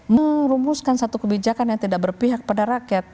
merumuskan satu kebijakan yang tidak berpihak pada rakyat